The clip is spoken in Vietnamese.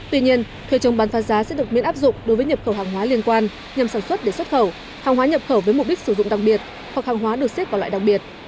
tuy nhiên thời chống bán phá giá sẽ được miễn áp dụng đối với nhập khẩu hàng hóa liên quan nhằm sản xuất để xuất khẩu hàng hóa nhập khẩu với mục đích sử dụng đặc biệt hoặc hàng hóa được xếp vào loại đặc biệt